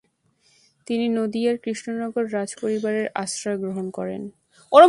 তিনি নদিয়ার কৃষ্ণনগর রাজপরিবারের আশ্রয় গ্রহণ করেন।